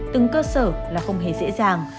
từng cơ sở là không hề dễ dàng